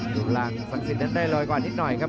ดูหลังสักซินนั้นได้โรยก่อนทิ้งด้วยใหญ่ครับ